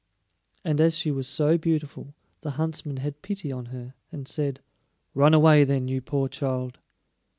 And as she was so beautiful the huntsman had pity on her and said: "Run away, then, you poor child."